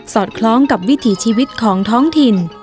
อดคล้องกับวิถีชีวิตของท้องถิ่น